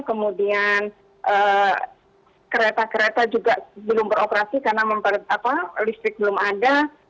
kemudian kereta kereta juga belum beroperasi karena listrik belum ada